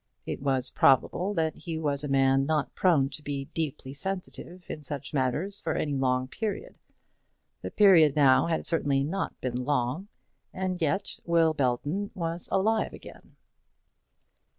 It was probable that he was a man not prone to be deeply sensitive in such matters for any long period. The period now had certainly not been long, and yet Will Belton was alive again.